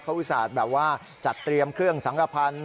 เขาอุตส่านแบบว่าจัดเตรียมเครื่องสังคพันธ์